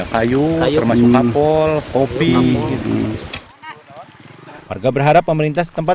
kayu termasuk kapol kopi